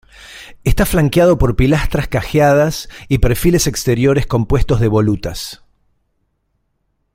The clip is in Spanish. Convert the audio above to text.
Está flanqueado por pilastras cajeadas y perfiles exteriores compuestos de volutas.